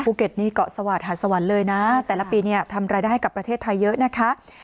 นี้เกาะสวาสหาดสวรรค์เลยนะแต่ละปีเนี่ยทำรายได้ให้กับประเทศไทยเยอะนะคะ